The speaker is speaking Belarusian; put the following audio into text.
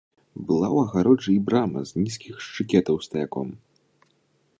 Была ў агароджы і брама з нізкіх шчыкетаў стаяком.